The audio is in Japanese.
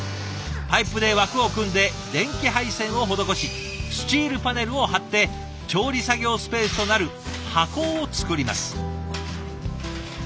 パイプで枠を組んで電気配線を施しスチールパネルを張って調理作業スペースとなる箱を作ります。